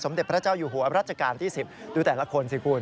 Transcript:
เด็จพระเจ้าอยู่หัวรัชกาลที่๑๐ดูแต่ละคนสิคุณ